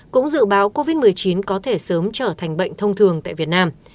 cũng dự báo covid một mươi chín có thể sớm trở thành bệnh thông thường tại việt nam